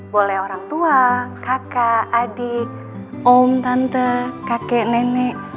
boleh orang tua kakak adik om tante kakek nenek